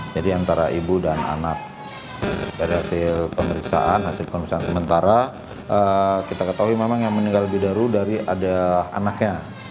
jadi antara ibu dan anak dari hasil pemeriksaan hasil pemeriksaan sementara kita ketahui memang yang meninggal lebih dahulu dari ada anaknya